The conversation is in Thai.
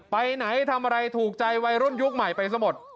ไปไหนทำอะไรถูกใจวัยรุ่นยุคใหม่ไปซะหมด